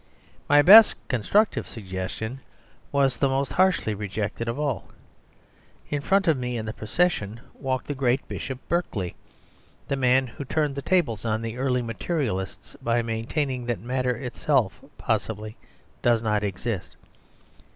My best constructive suggestion was the most harshly rejected of all. In front of me in the procession walked the great Bishop Berkeley, the man who turned the tables on the early materialists by maintaining that matter itself possibly does not exist.